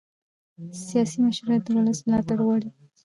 سیاسي مشروعیت د ولس ملاتړ غواړي